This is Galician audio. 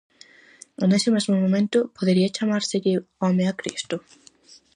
E nese mesmo momento, podería chamárselle home a Cristo?